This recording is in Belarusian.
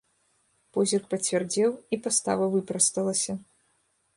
Позірк пацвярдзеў, і пастава выпрасталася.